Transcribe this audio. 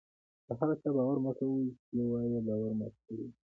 په هغه چا باور مه کوئ! چي یو وار ئې باور مات کړى يي.